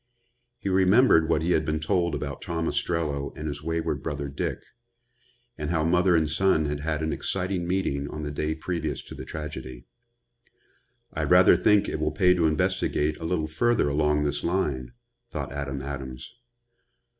He remembered what he had been told about Tom Ostrello and his wayward brother Dick, and how mother and son had had an exciting meeting on the day previous to the tragedy. "I rather think it will pay to investigate a little further along this line," thought Adam Adams.